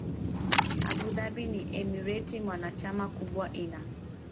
Abu Dhabi ni emirati mwanachama kubwa ina